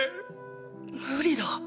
無理だ。